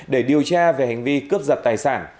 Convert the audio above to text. để điều tra về hành vi cướp giật tài sản